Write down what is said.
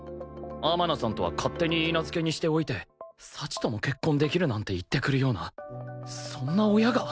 天野さんとは勝手に許嫁にしておいて幸とも結婚できるなんて言ってくるようなそんな親が？